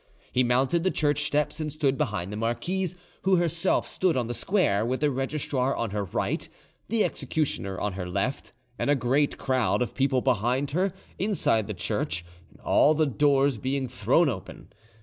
He mounted the church steps and stood behind the marquise, who herself stood on the square, with the registrar on her right, the executioner on her left, and a great crowd of people behind her, inside the church, all the doors being thrown open.